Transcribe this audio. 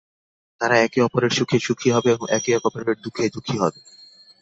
তারা একে অপরের সুখে সুখী হবে এবং একে অপরের দুঃখে দুঃখী হবে।